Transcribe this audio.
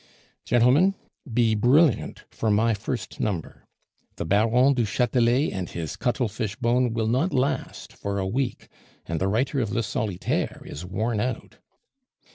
"Gentlemen, be brilliant for my first number. The Baron du Chatelet and his cuttlefish bone will not last for a week, and the writer of Le Solitaire is worn out."